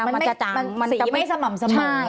มันจะจางสีไม่สม่ำ